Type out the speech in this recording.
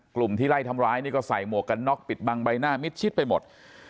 กลุ่มที่ไล่ทำร้ายนี่ก็ใส่หมวกกันน็อกปิดบังใบหน้ามิดชิดไปหมด